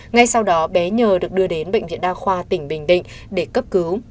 ngay sau đó bé nhờ được đưa đến bệnh viện đa khoa tỉnh bình định để cấp cứu